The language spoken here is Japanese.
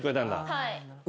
はい。